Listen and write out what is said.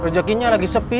rezekinya lagi sepi